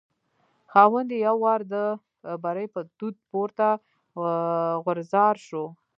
خاوند یې یو وار د بري په دود پورته غورځار شو.